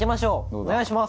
お願いします。